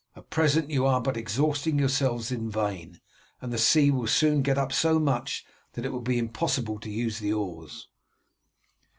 At present you are but exhausting yourselves in vain, and the sea will soon get up so much that it will be impossible to use the oars."